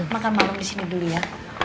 makan malam di sini beli ya